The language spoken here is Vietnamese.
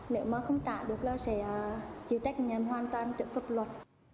nếu mà không tả được là sẽ chịu trách nhiệm hoàn toàn trước pháp luật